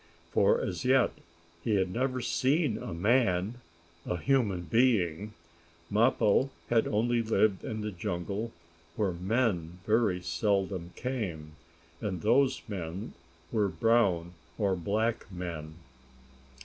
For, as yet, he had never seen a man a human being. Mappo had only lived in the jungle where men very seldom came, and those men were brown or black men.